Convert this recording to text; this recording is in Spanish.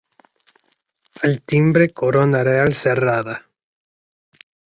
Al timbre corona real cerrada.